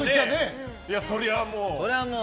そりゃあもう。